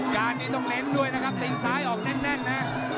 การนี้ต้องเน้นด้วยนะครับตีนซ้ายออกแน่นนะ